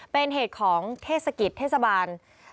เป็นเหตุของเทศกิจเทศบาล